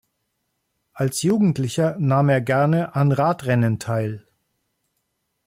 Als Jugendlicher nahm er gerne an Radrennen teil.